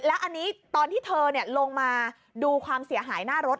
แล้วอันนี้ตอนที่เธอลงมาดูความเสียหายหน้ารถ